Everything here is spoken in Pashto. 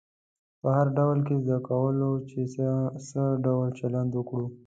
په هر رول کې زده کوو چې څه ډول چلند وکړو.